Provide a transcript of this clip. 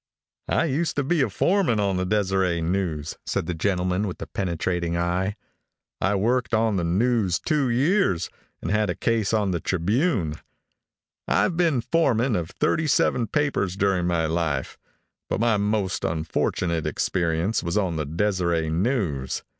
"I used to be foreman on the Deseret News," said the gentleman with the penetrating eye; "I worked on the News two years, and had a case on the Tribune. I've been foreman of thirty seven papers during my life, but my most unfortunate experience was on the Deseret News.